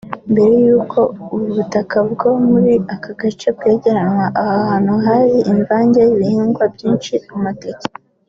Mbere y’uko ubutaka bwo muri aka gace bwegeranywa aha hantu hari imvage y’ibihingwa byinshi amateke